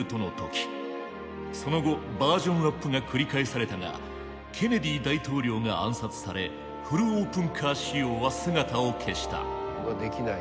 その後バージョンアップが繰り返されたがケネディ大統領が暗殺されフルオープンカー仕様は姿を消した。